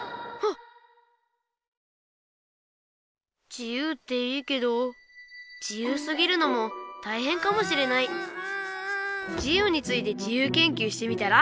自由っていいけど自由すぎるのもたいへんかもしれない自由について自由研究してみたら？